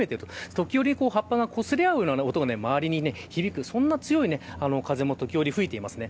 時折、葉っぱがこすれあう音が周りに響くそんな強い風も時折、吹いていますね。